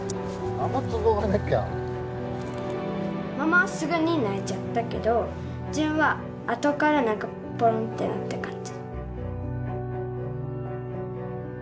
ママはすぐに泣いちゃったけど旬はあとからなんかポロンってなった感じ